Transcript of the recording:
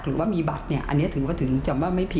หรือว่ามีบัตรอันนี้ถือว่าถือจำว่าไม่ผิด